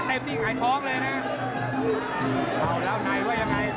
ได้เป็นหายพ่องเลยนะเอ้าแล้วหน่อยว่าอย่างไร